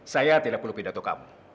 saya tidak perlu pidato kamu